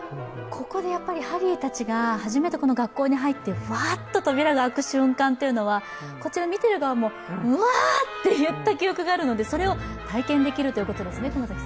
ここでハリーたちが初めて学校に入ってわーっと扉が開く瞬間というのはこちら見てる側もうわーって言った記憶があるのでそれを体験できるということですね？